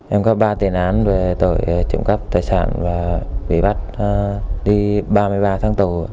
em có ba tiền án về tội trộm cắp tài sản và bị bắt đi ba mươi ba tháng tù